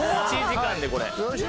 １時間でこれ。